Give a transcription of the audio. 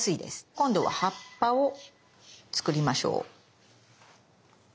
今度は葉っぱを作りましょう。